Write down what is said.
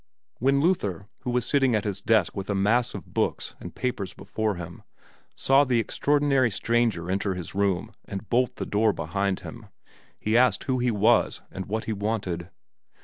When Luther, who was sitting at his desk with a mass of books and papers before him, saw the extraordinary stranger enter his room and bolt the door behind him, he asked who he was and what he wanted.